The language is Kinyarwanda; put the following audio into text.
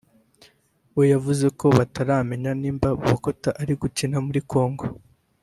we yavuze ko bataramenya niba Bokota ari gukina muri Congo